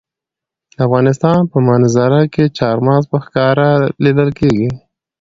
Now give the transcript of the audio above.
د افغانستان په منظره کې چار مغز په ښکاره لیدل کېږي.